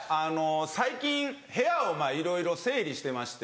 最近部屋をいろいろ整理してまして。